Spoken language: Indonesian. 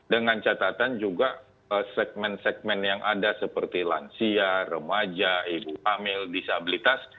dengan catatan juga segmen segmen yang ada seperti lansia remaja ibu hamil disabilitas